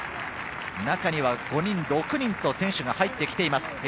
中には５人、６人と選手が入ってきています。